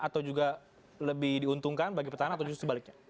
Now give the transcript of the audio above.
atau juga lebih diuntungkan bagi petanak